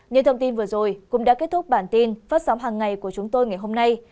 những thông tin vừa rồi cũng đã kết thúc bản tin phát sóng hàng ngày của chúng tôi ngày hôm nay